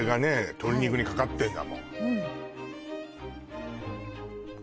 鶏肉にかかってんだ